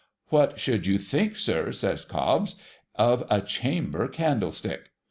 ' What should you think, sir,' says Cobbs, ' of a chamber candlestick ?